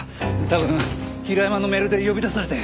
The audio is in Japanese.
多分平山のメールで呼び出されて。